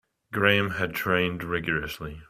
Graham had trained rigourously.